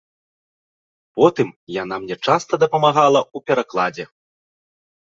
Потым яна мне часта дапамагала ў перакладзе.